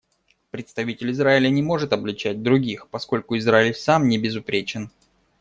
Представитель Израиля не может обличать других, поскольку Израиль сам небезупречен.